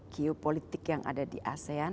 geopolitik yang ada di asean